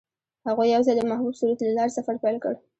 هغوی یوځای د محبوب سرود له لارې سفر پیل کړ.